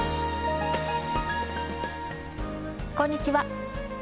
こんにちは。